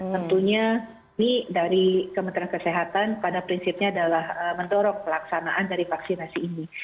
tentunya ini dari kementerian kesehatan pada prinsipnya adalah mendorong pelaksanaan dari vaksinasi ini